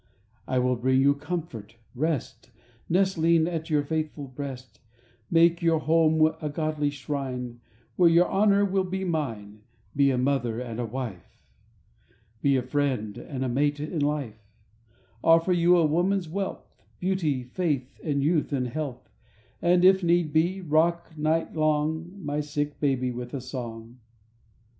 I will bring you comfort, rest, Nestling at your faithful breast, Make your home a godly shrine, Where your honor will be mine; Be a mother and a wife, [ 62 ] SONGS AND DREAMS Be a friend and mate in life, Offer you a woman's wealth: Beauty, faith, and youth, and health, And, if need be, rock night long My sick baby with a song.